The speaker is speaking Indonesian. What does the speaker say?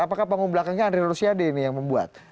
apakah panggung belakangnya andri rusiade yang membuat